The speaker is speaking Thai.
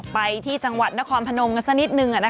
ไปที่จังหวัดนครพนมกันสักนิดนึง